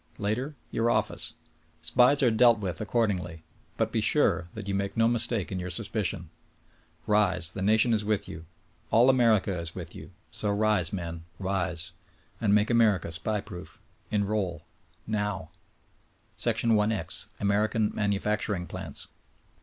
Later, your office. Spies are dealt with accordingly. But be sure that you make no mistake in your suspicion. Rise ! The nation is with you ; all America is with you ; so rise, men — rise ! And make America SPY proof . Enroll ! Now ! IX. American — Manufacturing Plants.